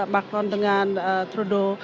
makron dengan trudo